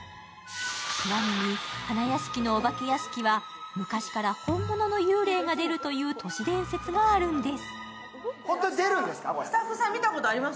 ちなみに、花やしきのお化け屋敷は昔から本物の幽霊が出るという都市伝説があるんです。